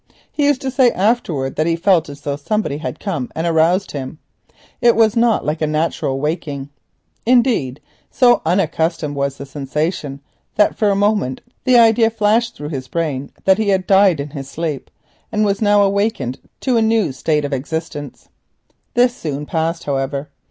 He used to say afterwards that he felt as though somebody had come and aroused him; it was not like a natural waking. Indeed, so unaccustomed was the sensation, that for a moment the idea flashed through his brain that he had died in his sleep, and was now awakening to a new state of existence. This soon passed, however.